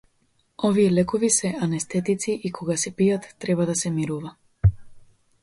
Овие лекови се анестетици и кога се пијат треба да се мирува.